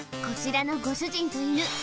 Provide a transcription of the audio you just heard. こちらのご主人と犬